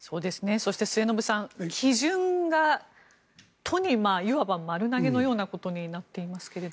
そして、末延さん基準が都にいわば丸投げのようになっていますけど。